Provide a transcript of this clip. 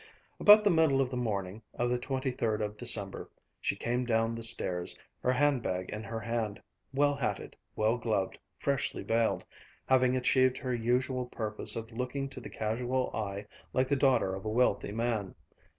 About the middle of the morning of the twenty third of December, she came down the stairs, her hand bag in her hand, well hatted, well gloved, freshly veiled, having achieved her usual purpose of looking to the casual eye like the daughter of a wealthy man.